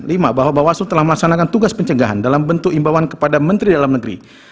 lima bahwa bawaslu telah melaksanakan tugas pencegahan dalam bentuk imbauan kepada menteri dalam negeri